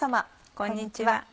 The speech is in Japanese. こんにちは。